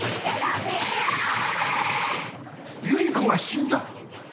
百合子が死んだ！？